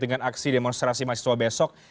dengan aksi demonstrasi mahasiswa besok